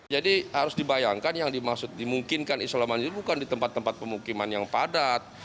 jadi harus dibayangkan yang dimungkinkan isolasi mandiri bukan di tempat tempat pemukiman yang padat